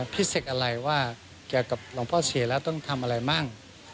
เกี่ยวกับหลังพ่อเสียแล้วต้องทำอะไรมั่ง